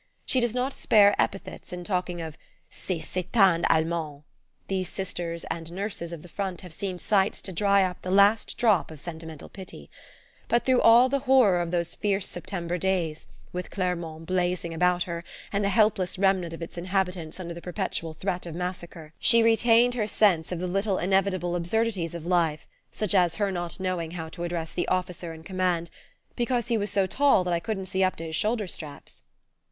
She does not spare epithets in talking of "ces satanes Allemands" these Sisters and nurses of the front have seen sights to dry up the last drop of sentimental pity but through all the horror of those fierce September days, with Clermont blazing about her and the helpless remnant of its inhabitants under the perpetual threat of massacre, she retained her sense of the little inevitable absurdities of life, such as her not knowing how to address the officer in command "because he was so tall that I couldn't see up to his shoulder straps."